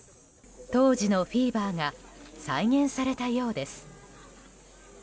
当時のフィーバーが再燃されたようです。